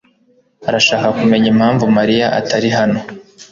arashaka kumenya impamvu Mariya atari hano.